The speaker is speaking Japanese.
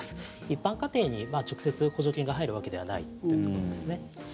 一般家庭に直接、補助金が入るわけではないということですね。